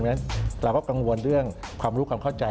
เพราะฉะนั้นเราก็กังวลเรื่องความรู้ความเข้าใจ